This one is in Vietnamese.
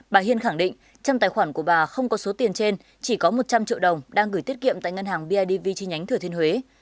bà hiên khẳng định trong tài khoản của bà không có số tiền trên chỉ có một trăm linh triệu đồng đang gửi tiết kiệm tại ngân hàng bidv chi nhánh thừa thiên huế